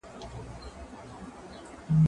که وخت وي، سپينکۍ پرېولم،